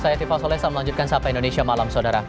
saya tifas olesa melanjutkan sapa indonesia malam saudara